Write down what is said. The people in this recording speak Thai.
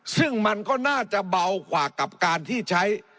ซึ่งมันก็น่าจะเบากว่ากับการที่ใช้